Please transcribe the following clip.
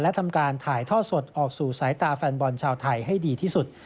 และทำการถ่ายท่อสดออกสู่สายตาแฟนบอลชาวไทยให้ดีที่สุด